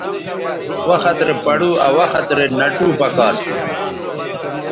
وخت رے پڑو آ وخت رے نَٹو پکار تھو